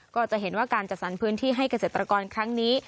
ก็จะเห็นว่าการจัดสรรพื้นที่ให้เกษตรกรครั้งนี้